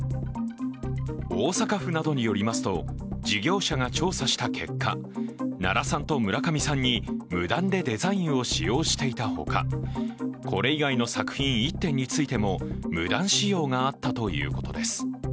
大阪府などによりますと事業者が調査した結果奈良さんと村上さんに無断でデザインを使用していたほかこれ以外の作品１点についても無断使用があったということです。